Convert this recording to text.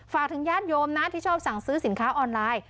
ฝากถึงญาติโยมนะที่ชอบสั่งซื้อสินค้าออนไลน์